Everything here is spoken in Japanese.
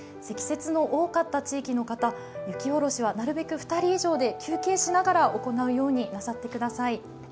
積雪の多かった地域の方雪下ろしはなるべく２人以上で休憩しながら行うようになさってください。